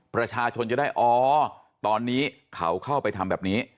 ประชาชนจะได้อ๋อตอนนี้เขาเข้าไปทำแบบนี้